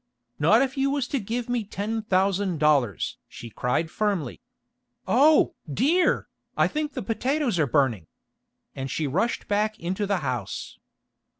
"Not if you was to give me ten thousand dollars!" she cried firmly. "Oh, dear! I think the potatoes are burning!" And she rushed back into the house.